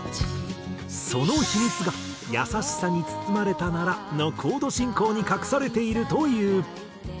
その秘密が『やさしさに包まれたなら』のコード進行に隠されているという。